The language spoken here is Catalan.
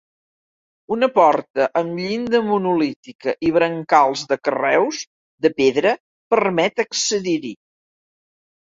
Una porta amb llinda monolítica i brancals de carreus de pedra permet accedir-hi.